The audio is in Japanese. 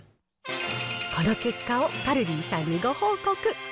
この結果をカルディさんにご報告。